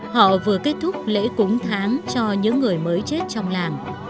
họ vừa kết thúc lễ cúng tháng cho những người mới chết trong làng